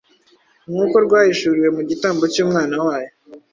nk’uko rwahishuriwe mu gitambo cy’Umwana wayo